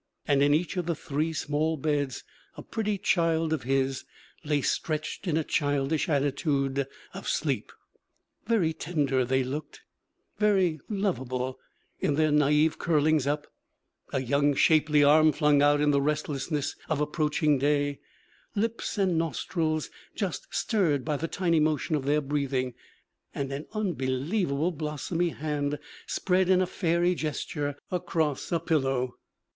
And in each of the three small beds a pretty child of his lay stretched in a childish attitude of sleep. Very tender they looked, very lovable, in their naïve curlings up, a young, shapely arm flung out in the restlessness of approaching day, lips and nostrils just stirred by the tiny motion of their breathing, and an unbelievable, blossomy hand spread in fairy gesture across a pillow.